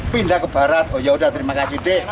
pindah ke barat oh yaudah terima kasih dek